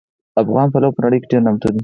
افغان پلو په نړۍ کې ډېر نامتو دي